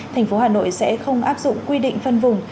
thành phố hà nội sẽ không áp dụng quy định phân vùng